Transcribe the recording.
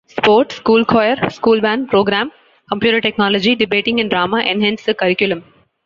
Sport, School Choir, School Band Program, Computer Technology, Debating and Drama enhance the curriculum.